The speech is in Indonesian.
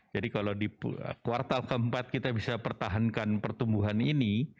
jadi kalau di kuartal keempat kita bisa pertahankan pertumbuhan ini